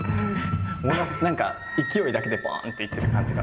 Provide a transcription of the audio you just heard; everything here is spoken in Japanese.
何か勢いだけでボンっていってる感じが。